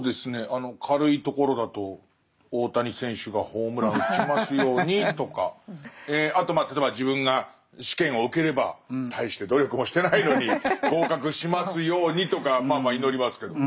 あの軽いところだと大谷選手がホームラン打ちますようにとかあとまあ例えば自分が試験を受ければ大して努力もしてないのに合格しますようにとかまあまあ祈りますけど。